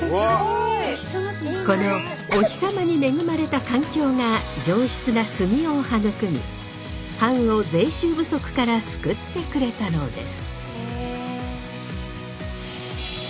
このおひさまに恵まれた環境が上質な杉を育み藩を税収不足から救ってくれたのです。